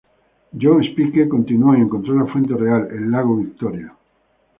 John Speke continuó y encontró la fuente real, el lago Victoria.